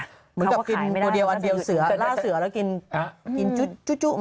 เหมือนกับกินตัวเดียวอันเดียวเสือล่าเสือแล้วกินกินจุ